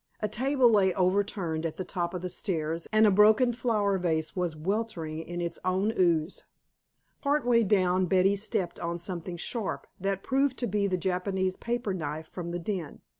A table lay overturned at the top of the stairs, and a broken flower vase was weltering in its own ooze. Part way down Betty stepped on something sharp, that proved to be the Japanese paper knife from the den.